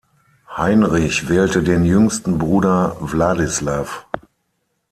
Heinrich wählte den jüngsten Bruder Wladislaw.